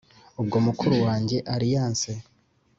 ubwo mukuru wanjye aliyanse